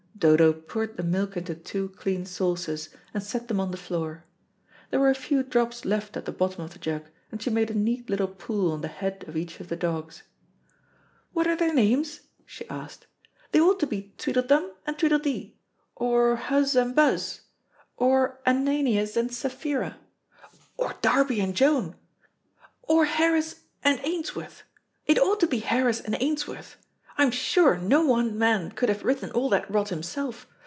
Dodo poured the milk into two clean saucers, and set them on the floor. There were a few drops left at the bottom of the jug, and she made a neat little pool on the head of each of the dogs. "What are their names?" she asked. "They ought to be Tweedledum and Tweedledee, or Huz and Buz, or Ananias and Sapphira, or Darby and Joan, or Harris and Ainsworth. It ought to be Harris and Ainsworth. I'm sure, no one man could have written all that rot himself.